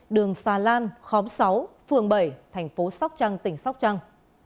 đường sa lan khóm sáu phường bảy tp sóc trăng tỉnh sóc trăng